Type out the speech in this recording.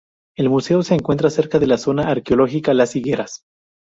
El museo se encuentra cerca de la Zona arqueológica Las Higueras.